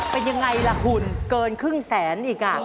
เป็นอย่างไรล่ะหุ่นเกินครึ่งแสนอีกอ่ะ